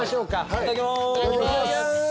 いただきます。